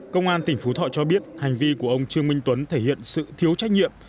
công an tỉnh phú thọ cho biết hành vi của ông trương minh tuấn thể hiện sự thiếu trách nhiệm